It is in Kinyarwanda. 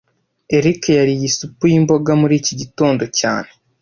Eric yariye isupu yimboga muri iki gitondo cyane